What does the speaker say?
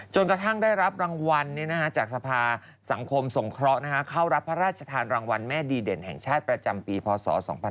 กระทั่งได้รับรางวัลจากสภาสังคมสงเคราะห์เข้ารับพระราชทานรางวัลแม่ดีเด่นแห่งชาติประจำปีพศ๒๕๖๒